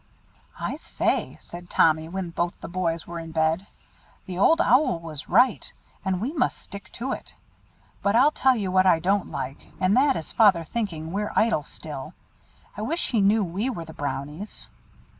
"I say," said Tommy, when both the boys were in bed, "the Old Owl was right, and we must stick to it. But I'll tell you what I don't like, and that is Father thinking we're idle still. I wish he knew we were the Brownies."